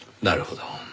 なるほど。